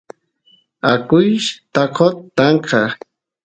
akuyshtaqot tankay